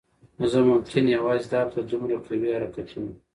زه ممکن یوازی دا هفته دومره قوي حرکتونو